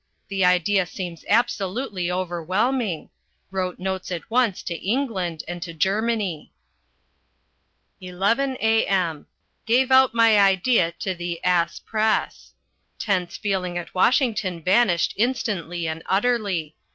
The idea seems absolutely overwhelming. Wrote notes at once to England and to Germany. 11 a.m. Gave out my idea to the Ass Press. Tense feeling at Washington vanished instantly and utterly.